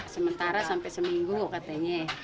sementara sampai seminggu katanya